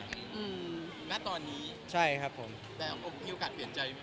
ณตอนนี้แต่มีโอกาสเปลี่ยนใจไหมคะ